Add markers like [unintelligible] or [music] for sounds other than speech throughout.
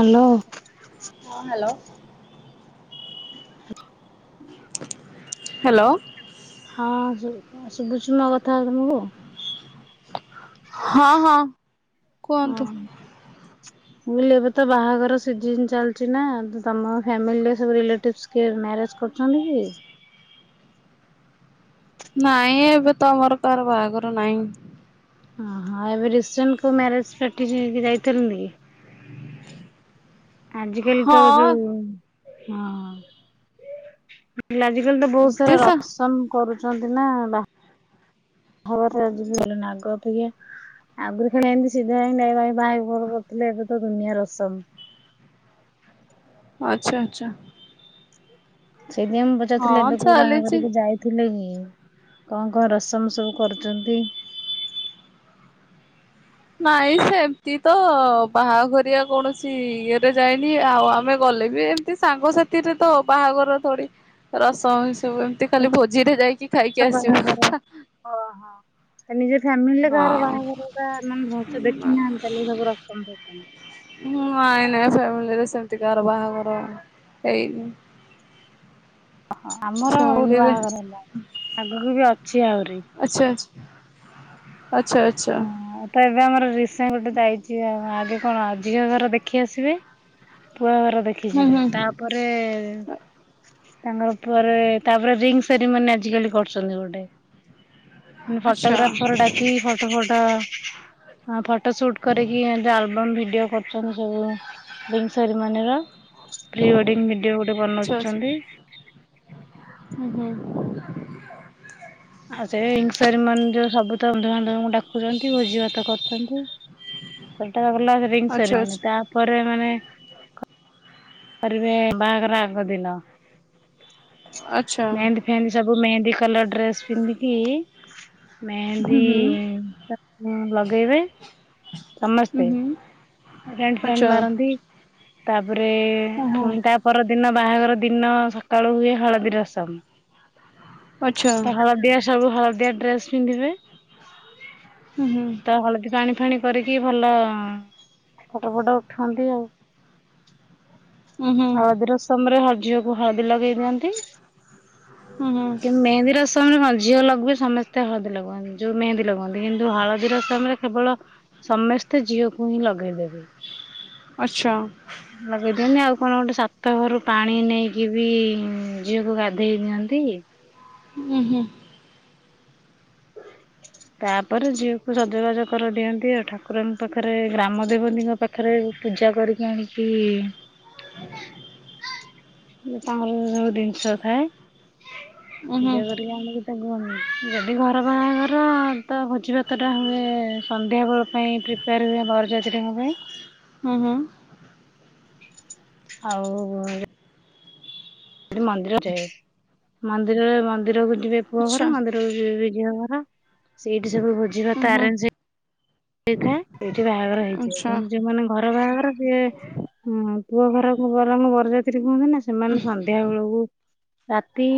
Hello ହଁ hello. Hello ହଁ ଶୁ ଶୁଭୁଚି ମୋ କଥା ତୁମୁକୁ? ହଁ ହଁ। ହଁ କୁହନ୍ତୁ। ମୁଁ କହିଲି ଏବେ ତ ବାହାଘର ସିଜିନ ଚାଲିଛି ନା। ତମ ଫ୍ୟାମିଲିରେ ସବୁ ରିଲେଟିପ୍ସ୍ କିଏ ମ୍ୟାରେଜ କରୁଛନ୍ତି କି? ନାଇଁ ଏବେ ତ ଆମର କାହାର ବାହାଘର ନାହିଁ। ଓହୋ ଏବେ ରିସେଣ୍ଟ କୋଉ ମ୍ୟାରେଜ ପାର୍ଟିକି ଯାଇଥିଲୁନୁ କି। ଆଜି କାଲି ତ ହଁ ଯୋଉ ହଁ। ଆଜ କାଲି ତ ବହୁତ ଏମତି ସାରା ସା ରସମ୍ କରୁଛ ଆଛନ୍ତି ନା ବା ବାହାଘର ଆଜି ହେଲୁନି ଆଗ ଅପେକ୍ଷା ଆଗରୁ ଖେଳ ଏମିତି ସିଧାାଇକ ନାଇ ଭାଇ ଭର କରୁଥିଲେ ଏବେ ତ ଦୁନିଆ ରସମ । ସେଥିପାଇଁ ମୁଁ ପଚାରୁଥିଲି ଏବେ କୋଉ ଚାଲିଛି। ବାହାଘରିକି ଯାଇଥିଲେ କି କଣ କଣ ରସମ ସବୁ କରୁଛନ୍ତି। ନାଇଁ ସେମିତି ତ ବାହାଘରଆ କୌଣସି ଇଏରେ ଯାଇନି ଆଉ ଆମେ ଗଲେ ବି ଏମତି ସାଙ୍ଗସାଥିରେ ତ ବାହାଘର ଥୋଡି ରସମ ସବୁ ଏମିତି ଖାଲି ଭୋଜିରେ ଯାଇକି ଖାଇକି କାହାର ଆସିବ। ବାହାଘର ଫ୍ୟାମିଲି କାହାର ବାହାଘର ବା ମେ ଭଲସେ ଦେଖିନାହାନ୍ତି ତାଲେ ସବୁ ରସମ ହେଇ ହୁଁ ନାଇ ନାଇ ଫ୍ୟାମିଲିରେ ସେମିତି କାର ବାହାଘର ହେଇନି। ଓହ ଆମର ବହୁତ ଫ୍ୟାମିଲିରେ ବାହାଘର ହେଲାଣି ଆଗକୁ ବି ଅଛି। ଅଛି ଆହୁରି [inaudible] ଆଛା ଆଚ୍ଛା ହଁ ତ ଏବେ ଆମର ପାଇଁ ଗୋଟେ ଜାଇଛି ଆଉ। ଆ କଣ ଆଜିକା ଘର ଦେଖି ଆସିବେ ପୁରୁଣାଘର ଦେଖି ହୁଁ ଯିବେ ହୁଁ ତାପରେ- ତାଙ୍କର ଉପ ତାପରେ ରିଙ୍ଗ ସେରିମନି ଆଜିକାଲି କରୁଛନ୍ତି ଗୋଟେ ମାନେ ଆଚ୍ଛା ଫଟୋଗ୍ରାଫର ଡାକି ହ ଫଟୋ ସୁଟ କରିକି ଏବଂ ଭିଡିଓ କରୁଛନ୍ତି ସବୁ ring ceremony pre wedding video ଗୋଟେ ଆଚ୍ଛା ବନାଉଛନ୍ତି ପୁ ଏ [inaudible] ଆଉ ସେ ରିଙ୍ଗ ସେରିମନି ଯୋଉ ସବୁ ତ ବନ୍ଧୁ ବାନ୍ଧବଙ୍କୁ ଡାକୁଛନ୍ତି ଭୋଜି ଭାତ କରୁଛନ୍ତି ସେଟା ହେଲା ରିଙ୍ଗ ଆଚ୍ଛା ସେରିମନି ତାପରେ ମାନେ କରିବେ ବାହାଘର ଆଗଦିନ। ଆଚ୍ଛା। ଆଚ୍ଛା ମେହେନ୍ଦୀ ଫେହେନ୍ଦୀ ସବୁ ମେହେନ୍ଦୀ କଲର୍ ଡ୍ରେସ୍ ପିନ୍ଧିକି। ହୁଁ ମେହେନ୍ଦୀ ହୁଁ ଲଗେଇବେ। ହୁଁ ସମସ୍ତେ ହୁଁ ରେଣ୍ଡ ଫେଣ୍ଡ ଆଚ୍ଛା ମାରଣନ୍ତି। ତା ତାପରେ ଓହୋ। ପୁଣି ତାପର ଦି ଦିନ ବାହାଘର ଦିନ ସକାଳୁ ହୁଏ ହଳଦୀ ରସମ ଆଚ୍ଛା ତା ଖରାପ ଦିଆ ସବୁ ଖରାପ ଦିଆ [unintelligible] ଡ୍ରେସ୍ ପିନ୍ଧିବେ ହୁଁ ହୁଁ ତ ହଳଦୀ ପାଣି ଅଥଣ [unintelligible] କରିକି ଭଲ ଫଟୋ ଫଟୋ ଉଠାନ୍ତି ଆଉ ହୁଁ ହୁଁ ହଳଦି ରସମ୍ ରେ ହଦ୍ ଝିଅକୁ ହଳଦୀ ଲଗେଇ ଦିଅନ୍ତି ହୁଁ ହୁଁ ଇନ୍ ମେହେନ୍ଦୀ ରସମ୍ ରେ ଝିଅ ଲଗବେ [unintelligible] ସମସ୍ତେ ହଳଦୀ ଲଗାନ୍ତି ଯୋଉ ମେହେନ୍ଦୀ ଲଗାନ୍ତି କିନ୍ତୁ ହଳଦୀର ସମୟରେ କେବଳ ସମସ୍ତେ ଝିଅକୁ ହିଁ ଲଗା ଗ ଦେବି ଆଚ୍ଛା ଆପଣ ଗୋଟେ ସାତ ଘରୁ ପାଣି ନେଇକି ବି ଝିଅକୁ ଗାଧେଇ ଦିଅନ୍ତି। ଓୁ ହୁଁ ତାପରେ ଝିଅକୁ ସଜବାଜ କରିଦିଅନ୍ତି ଆଉ ଠାକୁରଙ୍କ ପାଖରେ ଗ୍ରାମ ଦେବତୀଙ୍କ ପାଖରେ ପୂଜା କରିକି ଆଣିକି ତାଙ୍କର ସବୁ ଜିନିଷ ଥାଏ। ଉଁ ହୁଁ ପୂଜା କରିକି ଆମକୁ ସେୁ ଜ [inaudible] ଘର ବାହାଘର ତ ଭୋଜି ଭାତ ଟା ହୁଏ ସନ୍ଧ୍ୟା ବେଳ ପାଇଁ ପ୍ରିପେୟାର ହୁଏ ବରଯାତ୍ରୀଙ୍କ ପାଇଁ ହୁଁ ହୁଁ ଆଉ ଏଠି ମନ୍ଦିର [inaudible] ମନ୍ଦିରରେ ମନ୍ଦିରକୁ ଯିବେ ଆଚ୍ଛା ଗହର ହୁଁ ହୁଁ ଆଚ୍ଛା ମନ୍ଦିରକୁ ଯିବେ [unintelligible] ସେଇଠି ସବୁ ଭ [inaudible] ଯିବା ଉଁ ହୁଁ ତାରଞଜ [unintelligible] ଠିକେ ଠିକ ବାହାଘର ହେଇଛି ଆଚ୍ଛା। ଯୋଉମାନେ ଘର ବାହାଘର ଯେଁ ପୁଅ ଘର ବର ବରଯାତ୍ରୀ କୁହନ୍ତି ନା ସେମାନେ ସନ୍ଧ୍ୟା ବେଳକୁ ରାତି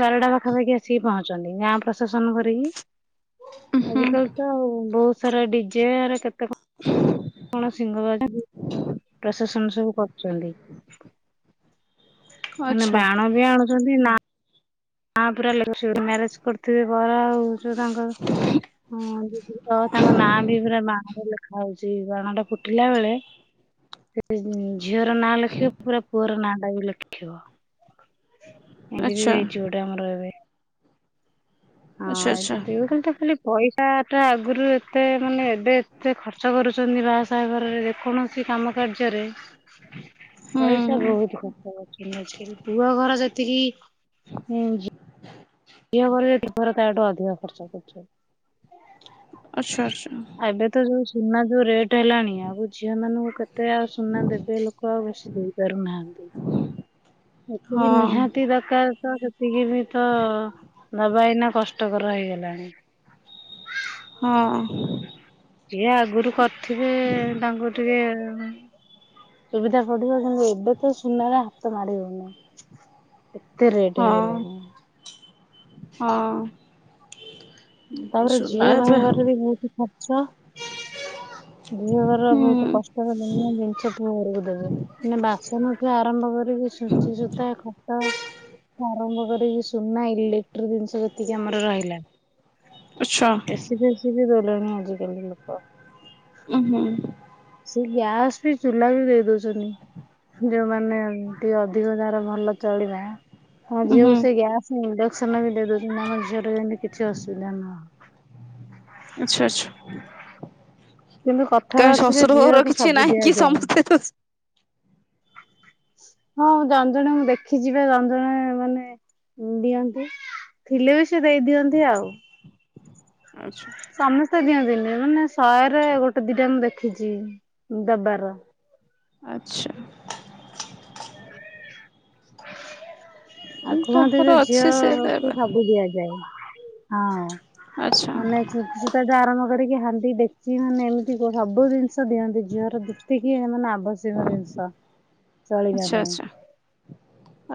ବାରଟା ପାଖାପାଖି ଆସିକି ପହଞ୍ଚନ୍ତି ଗାଁ ପ୍ରଶାସନ କରିକି ଆଜିକାଲି ତ ବହୁତ ସାରାଡି କେତେ କଣ କଣ ସିଂହ ବା ପ୍ରଶାସନ ସବୁ କରୁଛନ୍ତି। ମାନେ ଆଚ୍ଛା ବାଣ ବି ଆଣୁଛନ୍ତି ନା ମା ପୁରା ମ୍ୟାରେଜ କରିଥିବେ ପ ଆଉ ଯୋଉ ତାଙ୍କଦି ତ ତାଙ୍କ ନାଁ ବି ପୁରା ବାଣ ଲେଖା ହଉଛି ବାଣ ଟା ଫୁଟିଲା ବେଳେ ସେ ଝିଅର ନାଁ ଲେଖିବ ପୁରା ପୁଅର ନାଁ ଟା ବି ଲେଖିବ ଏ ବେ ବି ଆଚ୍ଛା ଏଇ ଝୁଅ ଟା ଆମର ରହିବେ ହଁ ଆଚ୍ଛା ଯ ଦି ଖାଲି ତ ଖାଲି ପଇସା ତା ଟା ଆଗରୁ ଏତେ ମାନେ ଏବେ ଏତେ ଖର୍ଚ୍ଚ କରୁଛନ୍ତି ବାହାସହା ଘରରେ ଯେକୌଣସି କାମ କାର୍ଯ୍ୟରେ ହୁଁ ପଇସା ହୁଁ ବହୁତ ଖର୍ଚ କରୁଛନ୍ତି ଆଜିକାଲି ପୁଅ ଘର ଯେତିକି ଝିଅ ଝିଅ ଘର କିପର ତାଠୁ ଅଧିକ ଖର୍ଚ୍ଚ କରୁଛନ୍ତି। ଆଛା ଆଛା ଆଉ ଏବେ ତ ଯୋଉ ସୁନା ଯୋଉ ରେଟ୍ ହେଲାଣି ଆଉ ଝିଅ ମାନଙ୍କୁ କେତେ ଆଉ ସୁନା ଦେବେ ଲୋକ ଆଉ ବେଶୀ ଦେଇ ପାରୁନାହାନ୍ତି। ମତେ ବି ହଁ। ନିହାତି ଦରକାର। ତ ସେତିକି ବି ତ ଦବା ଏଇନା କଷ୍ଟକର ହେଇଗଲାଣି। ହଁ ଜିଏ ଆଗରୁ କରିଥିବେ ତାଙ୍କୁ ଟିକେ ସୁବିଧା ପଡିବ କିନ୍ତୁ ଏବେ ତ ସୁନାରେ ହାତ ମାଡି ହଉନି। ଏତେ ରେଟ ହେଇଗଲାଣି। ହଁଅ ତାପରେ ଝିଅ ବାହାଘରରେ ବି ବହୁତୁ ଆଛା। ଝିଅ ଘର ହୁଁ। ବହୁତୁ କଷ୍ଟ ରେ ଦୁନିଆ ଜିନିଷ ପୁଅ ଘରକୁ ଦେବେ ମାନେ ବାସନଠୁ ଆରମ୍ଭ କରିକି ଛୁଞ୍ଚି ସୁୂତା ଖଟ ଆରମ୍ଭ କରିକି ସୁନା ଇଲେକ୍ଟ୍ରିକ୍ ଜିନିଷ ଯେତିକି ଆମର ରହିଲା। ଆଚ୍ଛା ଏସି ବିସି ବି ଦର୍ ଲେ ମ ଆଜିି କାଲି ଲୋକ। ଉଁ ହୁଁ ସେ ଗ୍ୟାସ ବି ଚୁଲା ବି ଦେଇ ଦଉଛନ୍ତି ଯୋଉମାନେ ଟିକେ ଅଧିକ ଯାର ଭଲ ଚଳିବା ତମ ଉଁ ଝିଅକୁ ହୁଁ ସେ ଗ୍ୟାସ ଇଣ୍ଡକ୍ସନ ବି ଦେଇ ଦଉଛନ୍ତି ଆମ ଝିଅର ଜେନ୍ତି କିଛି ଅସୁବିଧା ନହଉ। ଆଛା ଆଛା। କିନ୍ତୁ କଥାରେ କାଇଁ ଅଛି ଯେ ଶ୍ୱଶୁର ଘର ଝିଅକୁ କିଛି ସବୁ ନାହିଁ କି ଦିଆଯାଏ। ସମସ୍ତେ ଖୁସ୍ ହଁ ଜଣ ଜଣଙ୍କୁ ଦେଖିଯିବା ଜଣ ଜଣ ମାନେ ଦିଅନ୍ତି ଥିଲେ ବି ସେ ଦେଇଦିଅନ୍ତି ଆଉ ଆଚ୍ଛା ସମସ୍ତେ ଦିଅନ୍ତିନି ମାନେ ଶହେରେ ଗୋଟେ ଦିଟା ମୁ ଦେଖିଛି ଦବାର। ଆଚ୍ଛା ଆଉ କୁହନ୍ତି କାହାର ଯେ ଅଛି ସେ ଝିଅଅକୁ ଦେବେ ସବୁ ଦିଆଯାଏ। ହଁଅ। ଆଚ୍ଛା ମାନେ ଛୁଞ୍ଚି ସୂତା ଆରମ୍ଭ କରିକି ହାଣ୍ଡି ଡେକ୍ଚି ମାନେ ଏମିତି ସବୁ ଜିନିଷ ଦିଅନ୍ତି ଝିଅର ଯେତିକି ମାନେ ଆବଶ୍ୟକ ଜିନିଷ। ଚଳିବା ପାଇଁ।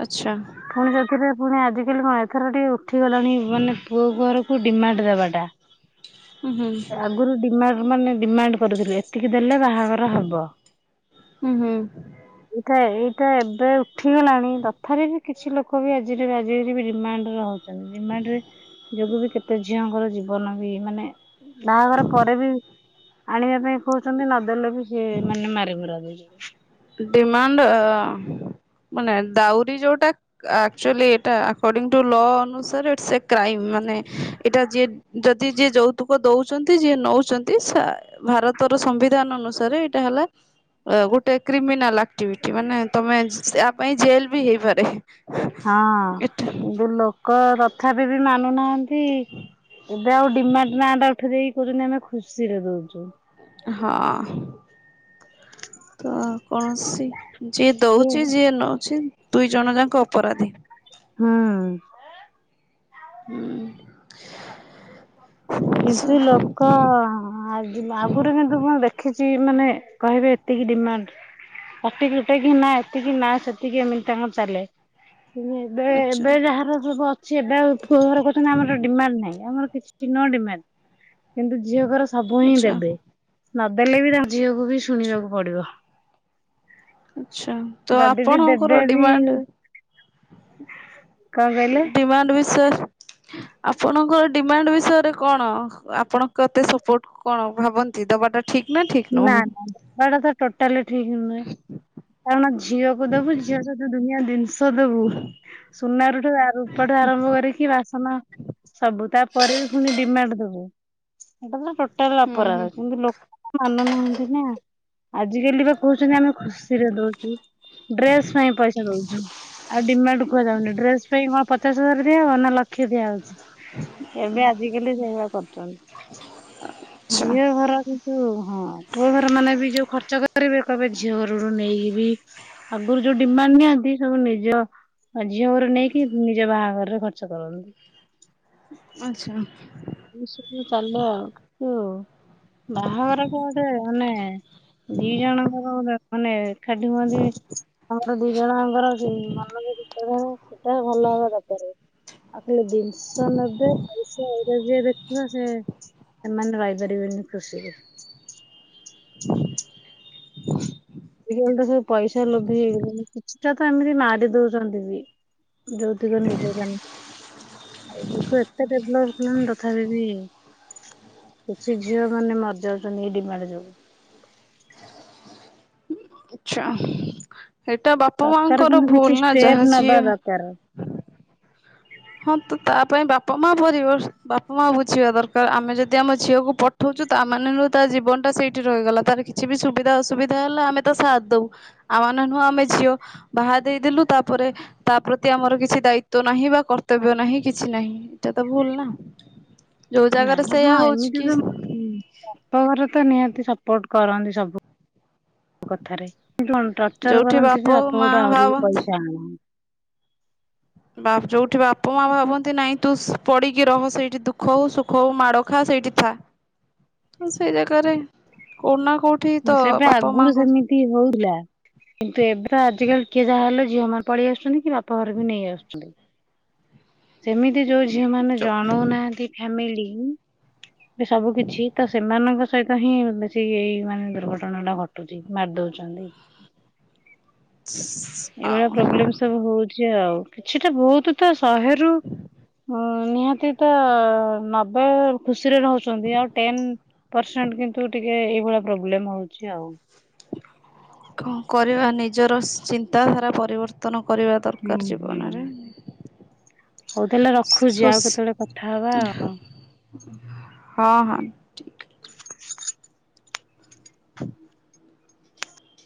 ଆଛା। ଫୁଣି ସେଥିରେ ପୁଣି ଆଜିକାଲି କଣ ଏଥର ଟିକେ ଉଠିଗଲାଣି ମାନେ ପୁଅ ଘରକୁ ଡିମାଣ୍ଡ ଦେବାଟା। ହୁଁ ହୁଁ [inaudible] ଆଗୁରୁ ଡିମା ଏମାନେ ଡିମାଣ୍ଡ କରୁଥିଲେ ଏତିକି ଦେଲେ ବାହାଘର ହବ। ହୁଁ ହୁଁ ଆଛା ଏଇଟା ଏବେ ଉଠିଗଲାଣି ତଥାବି ବି କିଛି ଲୋକ ବି ଆଜି ରି ଆଜି ରି ବି ରିମାଣ୍ଡରେ ହଉଛନ୍ତି ରିମାଣ୍ଡରେ ଯୋଗୁ ବି କେତେ ଝିଅଙ୍କର ଜୀବନ ବି ମାନେ ବାହାଘର ପରେ ବି ଆଣିବା ପାଇଁ କହୁଛନ୍ତି ନଦେଲେ ବି ସେ ମାନେ ମାରିମୁରା ଦଉଛନ୍ତି। ଡିମାଣ୍ଡ ଅ ମାନେ ଦାଉରି ଯୋଉଟା ଆକଚୁଆଲି ଏଇଟା ଆକରଡିଂ ଟୁ ଲ ଅନୁସାରେଇ ଇଟ୍ସ ଏ କ୍ରାଇମ୍ ମାନେ ଏଇଟା ଯିଏ ଯଦି ଯିଏ ଯୌତୁକ ଦଉଛନ୍ତି ଯିଏ ନଉଛନ୍ତି ସା ଭାରତର ସମ୍ବିଧାନ ଅନୁସାରେ ଏଇଟା ହେଲା ଗୋଟେ କ୍ରିମିନାଲାକ୍ ଏକ୍ଟିଭିଟୀ ମାନେ ତମେ ସ ସେ ଆପ୍ ପାଇଁ ଜେଲ୍ ବି ହେଇପାରେ। ଏଟା ହଁ ବ ଲୋକ ତଥାପି ବି ମାନୁନାହାନ୍ତି ଏବେ ଆଉ ଡିମାଟ ନାଁ ଟା ଉଠେଇ ଦେଇେଇକି କହୁଚନ୍ତି ଆମେ ଖୁସି ରେ ଦଉଛୁ। ହଁ ତ କୌଣସି ଯିଏ ହୁଁ ଦଉଛି ଯିଏ ନଉଛି ଦୁଇ ଜଣ ଯାଙ୍କ ଅପରାଧୀ। ହୁଁ। ହୁଁ। କିନ୍ତୁ ସବୁ ଲୋକ ଆଜି ଆଗରୁ କିନ୍ତୁ କଣ ଦେଖିଛି କି ମାନେ କହିବେ ଏତିକି ଡିମାଣ୍ଡ କଟି କୁଟି କି ନା ଏତିକି ନା ସେତିକି ଏମିତି ତାଙ୍କ ଚାଲେ। ଏବେ ଆଚ୍ଛା ଏବେ ଯାହାର ସବୁ ଅଛି ଏବେ ଆଉ ପୁଅ ଘର କହୁଚନ୍ତି ଆମର ନାଇଁ ଆମର କିଛି ନ ଡିମାଣ୍ଡ। କିନ୍ତୁ ଝିଅଙ୍କର ସବୁ ହିଁ ଆଚ୍ଛା। ଦେବେ। ନଦେଲେ ବି ତା ଝିଅକୁ ବି ଶୁଣିବାକୁ ପଡିବ। ଆଛା ତ ଯଦି ବି ଦେବେ ଆପଣଙ୍କର ବି ଡିମାଣ୍ଡ କଣ କହିଲେ ଡିମାଣ୍ଡ ବିସ ଆପଣଙ୍କର ଡିମାଣ୍ଡ ବିଷୟରେ କଣ ଆପଣ କେତେ ସପୋର୍ଟ କଣ ଭାବନ୍ତି ଦବାଟା ଠିକ୍ ନା ଠିକ୍ ନା ନୁହଁ? ନା ବା ଟା ତ ଟୋଟାଲି ଠିକ ନୁହେଁ। କାରଣ ଝିଅକୁ ଦବୁ ଝିଅ ସହ ଦୁନିଆ ଜିନିଷ ଦେବୁ ସୁନା ରୁ ରୂପା ଠୁ ଆରମ୍ଭ କରିକି ବାସନ ସବୁ। ତାପରେ ବି ପୁଣି ଡିମାଣ୍ଡ ଦବୁ। [inaudible] ହୁଁ କଟାଲାପରା ହୁଁ। କିନ୍ତୁ ଲ ମାନୁନାହାନ୍ତି ନା ଆଜିକାଲି ବା କହୁଛନ୍ତି ଆମେ ଖୁସିରେ ଦଉଛୁ। ଡ୍ରେସ ପାଇଁ ପଇସା ଦଉଛୁ ଆଉ ଡିମାଣ୍ଡ କୁହାଯାଉନି ଡ୍ରେସ ପାଇଁ କଣ ପଚାଶ ହଜାର ଦିଆ ହ ନା ଲ କଷତିଆ ହଉଛି। ଏବେ ଆଜିକାଲି ସେଇଭଳିଆ କରୁଛନ୍ତି। ଆଚ୍ଛା ଝିଅ ଘର ହଁ ପୁଅ ଘର ମାନେ ବି ଯୋଉ ଖର୍ଚ୍ଚ କରିବେ କହିବେ ଝିଅ ଘରରୁୁ ନେଇକି ବି ଆଗରୁ ଯୋଉ ଡିମାଣ୍ଡ ନିଅନ୍ତି ସବୁ ନିଜ ଝିଅ ଘରୁ ନେଇକି ନିଜ ବାହାଘରରେ ଖର୍ଚ୍ଚ କରନ୍ତି। ଆଚ୍ଛା ଏମତି ସବୁ ଚାଲୁ ଆଉ। ବାହାଘର ଟା ଗୋଟେ ମାନେ ଦି ଜଣଙ୍କର ମାନେ ଏକାଠି ହୁଅନ୍ତି। ଆମର ଦି ଜଣଙ୍କର ମାନବିକତା ବି ସେଟା ଭଲ ହବା ଦରକାର। ତାପରେ ଆଉ ଖାଲି ଜିନିଷ ନେବେ ଯି ଦେଖିବା ସେ ସେମାନେ ରହିପାରିବେନି ଖୁସିରେ। ଆା ତ ସବୁ ପଇସା ଲୋଭି ହେଇଗଲାଣି କିଛିଟା ତ ଏମିତି ମାରି ଦଉଛନ୍ତି ବି ଯୋଉତୁକ ନିଜ୍ୟତନା। ଏତେ ଡେଭଲପ ହେଲାଣି ତଥାପି ବି କିଛି ଝିଅ ମାନେ ମରିଯାଉଛନ୍ତି ଏଇ ଡିମାଣ୍ଡ ଯୋଗୁ। ଆଛା। ଏଇଟା ବାପା ସରକାର ମାଙ୍କର କିନ୍ତୁ କିଛି ଭୁଲ ନା। ଷ୍ଟେପ ଯାହା ନବା ଝିଅ ଦରକାର ହଁ ତ ତା ପାଇଁ ବାପା ମା ପରିବାର। ବାପା ମା ବୁଝିବା ଦରକାର ଆମେ ଯଦି ଆମ ଝିଅ କୁ ପଠଉଛୁ ତା ମାନେ ନୁହଁ ତା ଜୀବନ ଟା ସେଇଠି ରହିଗଲା ତାର କିଛି ବି ସୁବିଧା ଅସୁବିଧା ହେଲା ଆମେ ତା ସାଥ ଦଉ। ଆମମାନେ ନୁହଁ ଆମେ ଝିଅ ବାହା ଦେଇଦେଲୁ ତାପରେ ତା ପ୍ରତି ଆମର କିଛି ଦାଇତ୍ୱ ନାହିଁ ବା କର କର୍ତବ୍ୟ ନାହିଁ କିଛି ନାହିଁ। ଏଇଟା ତ ଭୁଲ ନା। ଯୋଉ ନା ଜାଗାରେ ମ ହଁ ସେଇୟା ହଉଛି ଏମିତି କି ତ ହୁଁ ବାପ ଘର ତ ନିହା ସପୋର୍ଟ କରନ୍ତି ସବୁ କଥାରେ। କଣ ଟର୍ଚର ଯୋଉଠି କରନ୍ତି ଯେ ବାପା ମା ଘରୁ ଡ଼ରିକି ଭାବନ୍ତି ପଇସା ଆଣୁନି। ବାପ ଯୋଉଠି ବାପା ମା ଭାବନ୍ତି ନାଇଁ ତୁ ପଡିକି ରହ ସେଇଠି ଦୁଃଖ ହଉ ସୁଖ ହଉ ମାଡ ଖା ସେଇଠି ଥା ତ ସେଇ ଜାଗାରେ କଉନା ସେବେ ଆଗରୁ ସେମିତି ହଉଥିଲା। କିନ୍ତୁ ଏବେ ଆଜିକାଲି କିଏ ଯାହା ହେଲେ ଝିଅ ମାନେ ପଳେଇ ଆସୁଛନ୍ତି କି ବାପା ଘର ବି ନେଇ ଆସୁଛନ୍ତି ସେମିତି ଯୋଉ ଝିଅ ମାନେ ଯୋଉ ଜଣଉନାହାନ୍ତି ଫାମିଲି ହୁଁ ଏଵେ ସବୁ କିଛି ତ ସେମାନଙ୍କ ସହିତ ହିଁ ବେଶୀ ଏଇ ମାନେ ଦୁର୍ଘଟଣା ଟା ଘଟୁଛି ମାରି ଦଉଛନ୍ତି। ଏଇଭଳିଆ ଆଉ ପ୍ରୋବ୍ଲେମ ସବୁ ହଉଛି ଚି ଆଉ କିଛିଟା ବହୁତ ତ ଶହେ ନିହାତି ତ ନବେ ଖୁସିରେ ରହୁଛନ୍ତି ଆଉ ଟେନ ପରସଣ୍ଟ କିନ୍ତୁ ଟିକେ ଏଇଭଳିଆ ପ୍ରୋବ୍ଲେମ ହଉଛି ଆଉ କରିବା ନିଜର ଚିନ୍ତାଧାରା ପରିବର୍ତ୍ତନ କରିବା ହୁଁ ଦରକାର ହୁଁ ଜୀବନରେ ହଉ ତାହଲେ ରଖୁଛି ଆଉ ସୋସ୍ କେତେବେଳେ କଥା ହବା ଆଉ ହଁ ହଁ [unintelligible] ହଁ